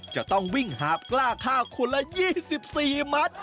จะต้องวิ่งหาบกล้าข้าวคนละ๒๔มัตต์